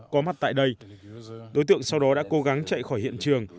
có mặt tại đây đối tượng sau đó đã cố gắng chạy khỏi hiện trường